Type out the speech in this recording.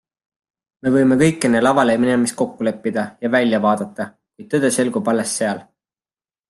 Me võime kõik enne lavale minemist kokku leppida ja välja vaadata, kuid tõde selgub alles seal.